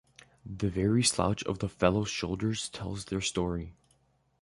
The very slouch of the fellows' shoulders tells their story.